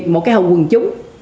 một cái hội quần chúng